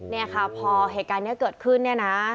เนี่ยค่ะพอเหตุการณ์นี้เกิดขึ้นเนี่ยนะ